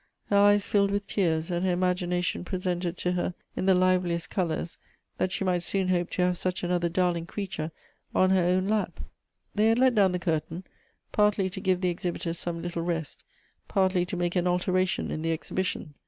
Her eyes filled with tears, and her imaginatioti presented to her in the liveliest colors that she might soon hope to ha.ve such another darling creature on her own lap. They had let down the curtain, partly to give the ex hibitors some little rest, parti)' to make an alteration in the exhibition.